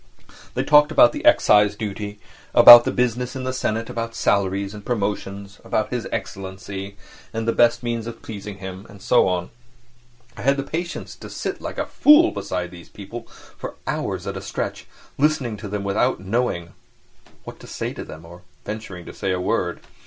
They talked about the excise duty; about business in the senate, about salaries, about promotions, about His Excellency, and the best means of pleasing him, and so on. I had the patience to sit like a fool beside these people for four hours at a stretch, listening to them without knowing what to say to them or venturing to say a word.